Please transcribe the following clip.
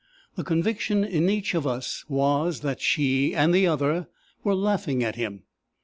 The conviction in each of us was, that she and the other were laughing at him.